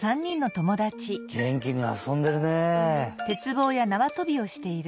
げんきにあそんでるね！